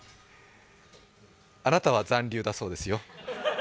あなたは残留だそうですよ。